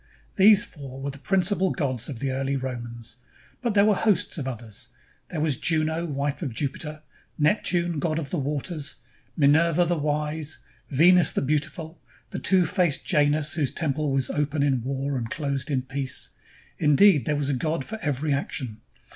These four were the principal gods of the early Romans, but there were hosts of others. There was Juno, wife of Jupiter; Neptune, god of the waters; Minerva the wise; Venus the beautiful; the two faced Janus, whose temple was open in war and closed in peace — indeed, there was a god for every action.